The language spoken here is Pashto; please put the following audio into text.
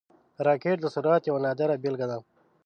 راکټ د سرعت یوه نادره بیلګه ده